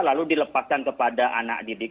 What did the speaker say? lalu dilepaskan kepada anak didik